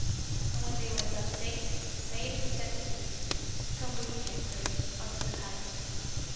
And when they were thus saved, the maiden said to the youth, 'Come with me, I pray you, unto the palace?'